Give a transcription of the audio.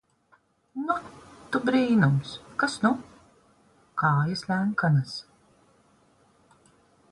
Nu, tu brīnums! Kas nu! Kājas ļenkanas...